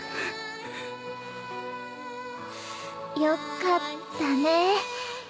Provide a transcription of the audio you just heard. よかったねぇ。